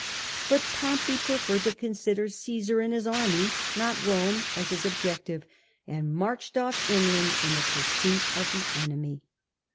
But Pompey preferred to consider Csesar and his army, not Eome, as his objective, and marched off inland in pursuit of the enemy.